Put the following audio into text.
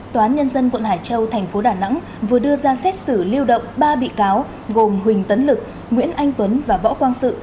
tòa án nhân dân quận hải châu thành phố đà nẵng vừa đưa ra xét xử lưu động ba bị cáo gồm huỳnh tấn lực nguyễn anh tuấn và võ quang sự